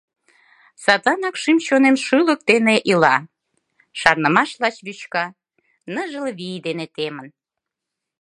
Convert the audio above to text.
Садланак шӱм-чонем шӱлык дене ила, Шарнымаш лач вӱчка, ныжыл вий дене темын.